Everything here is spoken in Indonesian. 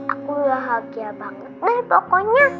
aku bahagia banget nah pokoknya